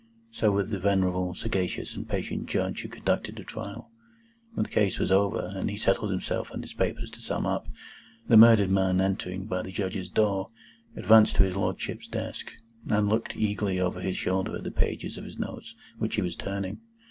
So with the venerable, sagacious, and patient Judge who conducted the trial. When the case was over, and he settled himself and his papers to sum up, the murdered man, entering by the Judges' door, advanced to his Lordship's desk, and looked eagerly over his shoulder at the pages of his notes which he was turning.